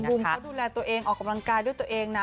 มุมเขาดูแลตัวเองออกกำลังกายด้วยตัวเองนะ